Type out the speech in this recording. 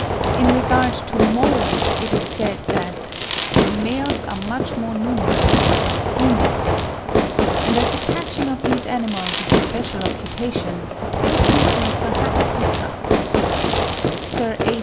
In regard to Moles, it is said that "the males are much more numerous than the females" (60. Bell, 'History of British Quadrupeds,' p. 100.): and as the catching of these animals is a special occupation, the statement may perhaps be trusted. Sir A.